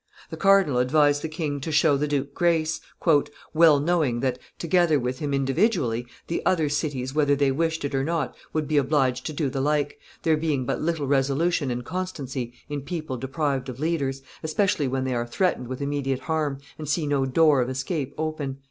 The cardinal advised the king to show the duke grace, "well knowing that, together with him individually, the other cities, whether they wished it or not, would be obliged to do the like, there being but little resolution and constancy in people deprived of leaders, especially when they are threatened with immediate harm, and see no door of escape open."